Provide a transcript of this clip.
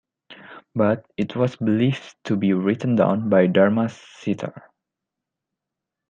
But it was believed to be written down by Dharma Citar.